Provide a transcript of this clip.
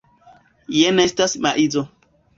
Jen estas maizo.